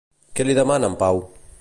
Què li demana en Pau?